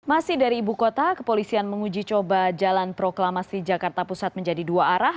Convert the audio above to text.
masih dari ibu kota kepolisian menguji coba jalan proklamasi jakarta pusat menjadi dua arah